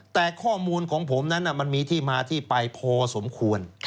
แต่ข้อมูลของผมนั้นมันมีที่มาที่ไปพอสมควร